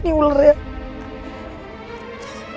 nih ular ya